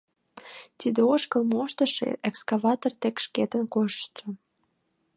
Тиде ошкыл моштышо экскаватор тек шкетын коштшо.